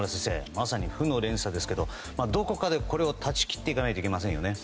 まさに負の連鎖ですけどどこかでこれを断ち切っていかないといけませんよね。